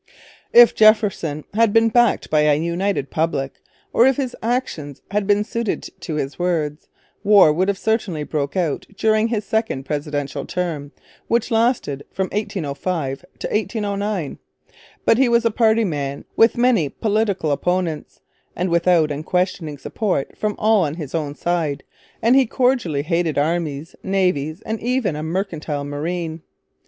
If Jefferson had been backed by a united public, or if his actions had been suited to his words, war would have certainly broken out during his second presidential term, which lasted from 1805 to 1809. But he was a party man, with many political opponents, and without unquestioning support from all on his own side, and he cordially hated armies, navies, and even a mercantile marine.